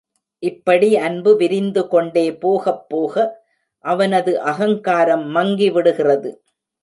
இப்படி அன்பு விரிந்துகொண்டே போகப் போக அவனது அகங்காரம் மங்கிவிடுகிறது.